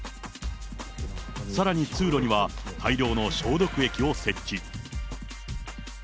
さらに通路には大量の消毒液を設置。